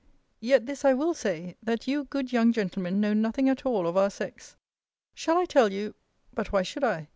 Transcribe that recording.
Yet this I will say, that you good young gentlemen know nothing at all of our sex. Shall I tell you but why should I?